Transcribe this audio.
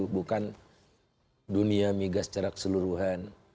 bukan dunia migas cerak seluruhan